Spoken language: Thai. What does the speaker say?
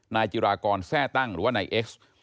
นายจิรากรแทร่ตั้งหรือว่านายเอ็กซ์